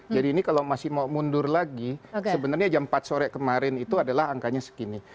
jadi ini kalau masih mau mundur lagi sebenarnya jam empat sore kemarin itu adalah angkanya segini